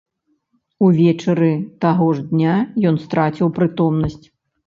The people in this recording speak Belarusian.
Увечары таго ж дня ён страціў прытомнасць.